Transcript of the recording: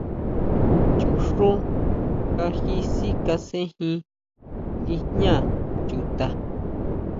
Chuxú kají sikasenjin nguijñá chuta.